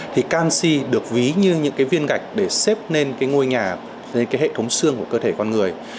thì canxi được ví như những viên gạch để xếp lên ngôi nhà hệ thống xương của cơ thể con người